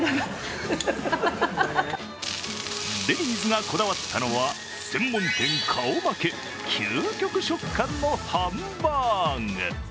デニーズがこだわったのは専門店顔負け、究極食感のハンバーグ。